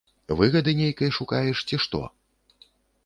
Выгады нейкай шукаеш, ці што?